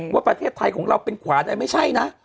ว่าประเทศไทยของเราเป็นขวานอะไรไม่ใช่นะ